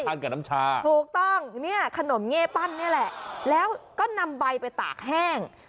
กับน้ำชาถูกต้องเนี่ยขนมเง่ปั้นนี่แหละแล้วก็นำใบไปตากแห้ง